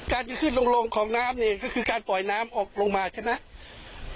การจะขึ้นลงของน้ำนี่ก็คือการปล่อยน้ำออกลงมาใช่ไหม